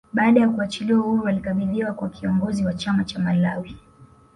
Baada ya kuachiliwa huru walikabidhiwa kwa kiongozi wa chama cha Malawi